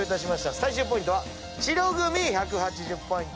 最終ポイントは白組１８０ポイント。